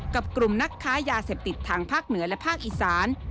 กับกลุ่มนักค้ายาเสพติดทางภาคเหนือและภาคอีสาน